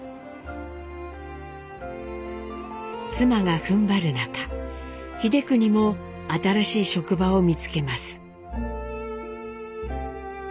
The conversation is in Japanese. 妻がふんばる中英邦も新しい職場を見つけます。